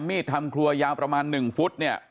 มีดทำครัวยาวประมาณ๑ฟุตเนี่ย